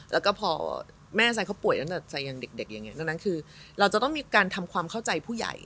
แล้วก็พอแม่ไซดเขาป่วยตั้งแต่ใจยังเด็กอย่างนี้ดังนั้นคือเราจะต้องมีการทำความเข้าใจผู้ใหญ่